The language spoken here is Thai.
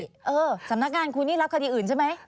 เออสำนักงานคุณนี่รับคดีอื่นใช่ไหม